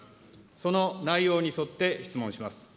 その内容に沿って質問します。